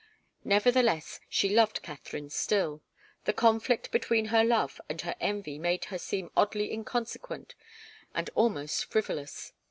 Nevertheless she loved Katharine still. The conflict between her love and her envy made her seem oddly inconsequent and almost frivolous.